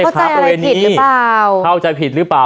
เข้าใจอะไรผิดหรือเปล่า